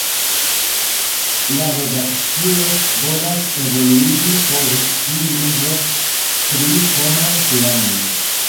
La redakcio volas evoluigi por ĉiu lingvo tri-homan teamon.